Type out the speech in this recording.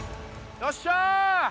よっしゃー。